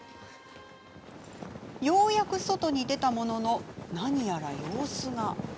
ようやく外に出たものの何やら様子が。